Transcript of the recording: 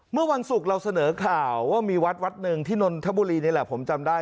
เมื่อวันศุกร์เราเสนอข่าวว่ามีวัดวัดหนึ่งที่นนทบุรีนี่แหละผมจำได้